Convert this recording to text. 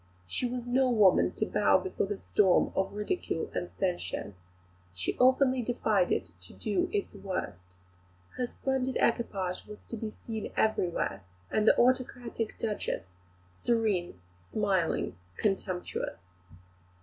She was no woman to bow before the storm of ridicule and censure. She openly defied it to do its worst. Her splendid equipage was to be seen everywhere, with the autocratic Duchess, serene, smiling, contemptuous.